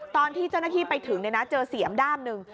ตอนที่เจ้าหน้าที่ไปถึงเจอเสียมด้ามหนึ่ง